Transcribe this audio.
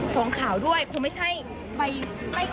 งขาวด้วยคงไม่ใช่ใบ